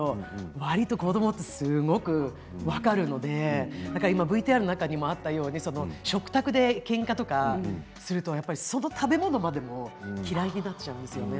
わりと子どもってすごく分かるのでＶＴＲの中にもあったように食卓でけんかとかするとその食べ物までも嫌いになっちゃうんですよね。